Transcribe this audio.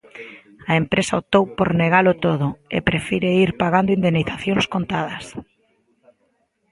A empresa optou por negalo todo, e prefire ir pagando indemnizacións contadas.